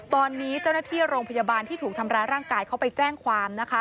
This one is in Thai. ตอนนี้เจ้าหน้าที่โรงพยาบาลที่ถูกทำร้ายร่างกายเขาไปแจ้งความนะคะ